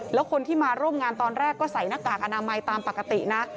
แล้วคนที่มาร่วมงานตอนแรกก็ใส่หน้ากากอนามัยตามปกตินะ